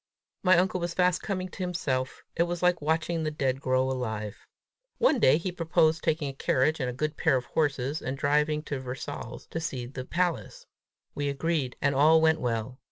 My uncle was fast coming to himself! It was like watching the dead grow alive. One day he proposed taking a carriage and a good pair of horses, and driving to Versailles to see the palace. We agreed, and all went well.